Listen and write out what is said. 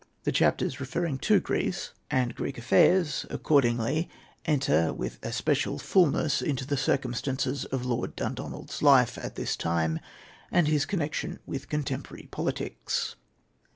The chapters referring to Greece and Greek affairs, accordingly, enter with especial fullness into the circumstances of Lord Dundonald's life at this time, and his connection with contemporary politics.